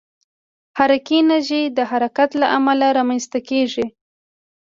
حرکي انرژي د حرکت له امله رامنځته کېږي.